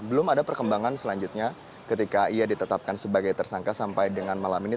belum ada perkembangan selanjutnya ketika ia ditetapkan sebagai tersangka sampai dengan malam ini